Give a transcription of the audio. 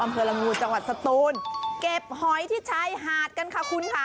อำเภอละงูจังหวัดสตูนเก็บหอยที่ชายหาดกันค่ะคุณค่ะ